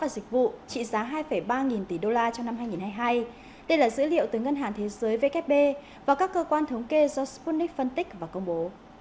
đây là dữ liệu từ ngân hàn thế giới và các cơ quan thống kê do sputnik phân tích và công bố